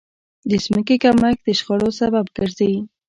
د ځمکې کمښت د شخړو سبب ګرځي.